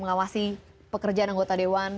mengawasi pekerjaan anggota dewan